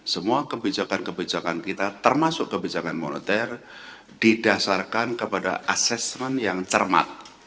semua kebijakan kebijakan kita termasuk kebijakan moneter didasarkan kepada asesmen yang cermat